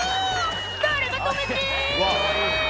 「誰か止めて！」